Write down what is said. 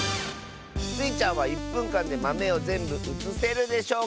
スイちゃんは１ぷんかんでまめをぜんぶうつせるでしょうか？